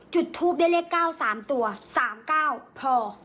๓๙๓๖จุดทูปได้เลข๓ตัวพอ